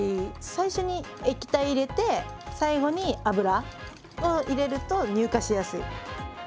最初に液体入れて最後に油を入れると乳化しやすい。